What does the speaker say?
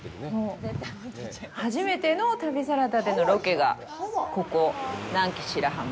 初めての旅サラダでのロケがここ、南紀白浜。